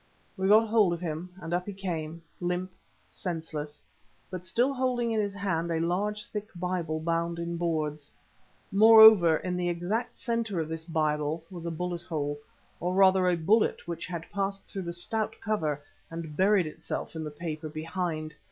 We got hold of him, and up he came, limp, senseless, but still holding in his hand a large, thick Bible, bound in boards. Moreover, in the exact centre of this Bible was a bullet hole, or rather a bullet which had passed through the stout cover and buried itself in the paper behind.